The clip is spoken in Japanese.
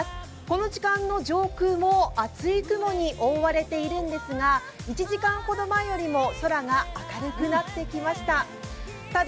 この時間の上空も厚い雲に覆われているんですが１時間ほど前よりも空が明るくなっていきました。